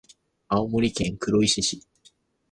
青森県黒石市